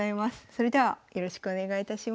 それではよろしくお願いいたします。